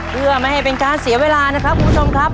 เพื่อไม่ให้เป็นการเสียเวลานะครับคุณผู้ชมครับ